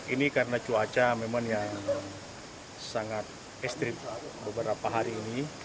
ini karena cuaca memang yang sangat ekstrim beberapa hari ini